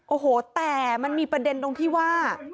โอ้โหแต่มันมีประเด็นตรงที่ว่า